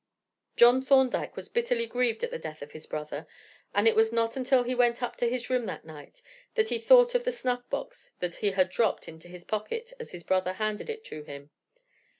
John Thorndyke was bitterly grieved at the death of his brother, and it was not until he went up to his room that night that he thought of the snuffbox that he had dropped into his pocket as his brother handed it to him.